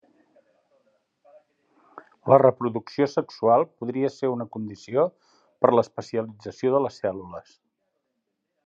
La reproducció sexual podria ser una condició per l'especialització de les cèl·lules.